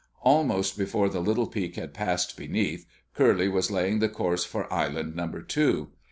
Almost before the little peak had passed beneath, Curly was laying the course for Island number two.